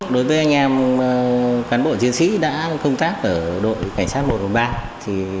đối với anh em cán bộ chiến sĩ đã công tác ở đội cảnh sát một trăm một mươi ba